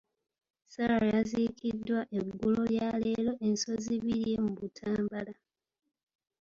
Sarah yaziikiddwa eggulo lyaleero e Nsozibbirye mu Butambala.